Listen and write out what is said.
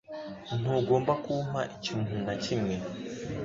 Ntugomba kumpa ikintu na kimwe